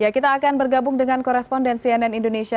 kita akan bergabung dengan koresponden cnn indonesia